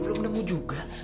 belum nemu juga